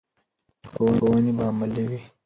لارښوونې به عملي وي.